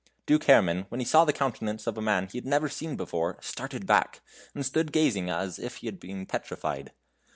Duke Herrman, when he saw the countenance of a man he had never seen before, started back, and stood gazing as if he had been petrified.